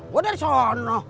gue dari sana